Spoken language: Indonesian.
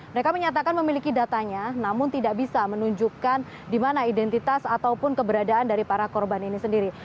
mereka menyatakan memiliki datanya namun tidak bisa menunjukkan di mana identitas ataupun keberadaan dari para korban ini sendiri